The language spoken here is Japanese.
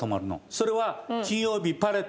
それは金曜日。